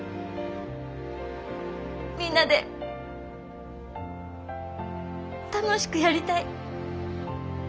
みんなで楽しくやりたい。